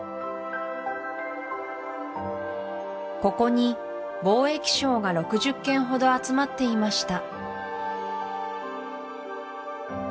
ここに貿易商が６０軒ほど集まっていました